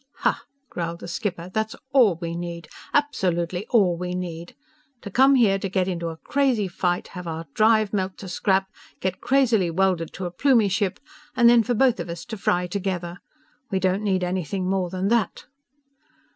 "Hah!" growled the skipper. "That's all we need! Absolutely all we need! To come here, get into a crazy right, have our drive melt to scrap, get crazily welded to a Plumie ship, and then for both of us to fry together! We don't need anything more than that!"